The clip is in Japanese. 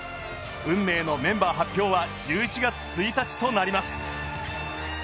運命のメンバー発表は１１月１日となります。